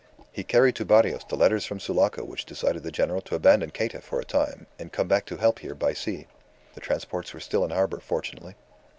"He carried to Barrios the letters from Sulaco which decided the General to abandon Cayta for a time, and come back to our help here by sea. The transports were still in harbour fortunately.